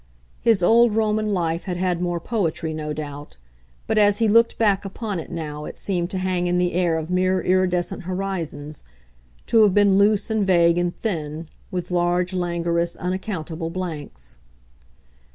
His old Roman life had had more poetry, no doubt, but as he looked back upon it now it seemed to hang in the air of mere iridescent horizons, to have been loose and vague and thin, with large languorous unaccountable blanks.